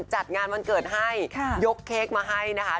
จัดงานวันเกิดให้ยกเค้กมาให้นะคะ